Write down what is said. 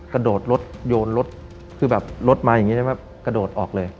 กระโดดรถโยนรถคือแบบรถมาอย่างนี้ได้แบบกระโดดออกเลย